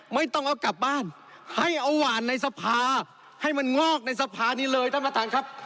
ไม่ต้องเอากลับบ้านให้เอาหวานในสภาให้มันงอกในสภานี้เลยท่านประธานครับ